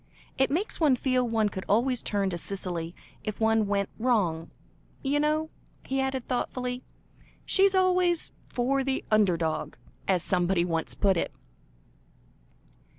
It makes one feel one could always turn to Cicely if one went wrong, you know," he added thoughtfully; "she's always 'for the under dog,' as somebody once put it."